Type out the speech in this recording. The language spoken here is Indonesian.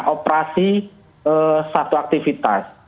operasi satu aktivitas